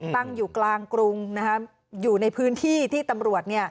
ตั้งอยู่กลางกรุงอยู่ในพื้นที่ที่ตำรวจ